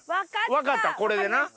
分かったこれでな。